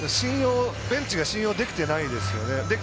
ベンチが信用できてないですよね。